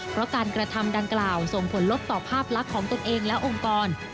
เพราะการกระทำดังกล่าวส่งผลลบต่อภาพลักษณ์ของตนเองและองค์กร